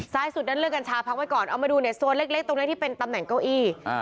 สุดนั้นเลือกกัญชาพักไว้ก่อนเอามาดูเนี่ยโซนเล็กตรงนี้ที่เป็นตำแหน่งเก้าอี้